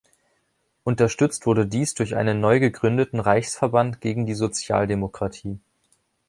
Unterstützt wurde dies durch einen neu gegründeten Reichsverband gegen die Sozialdemokratie.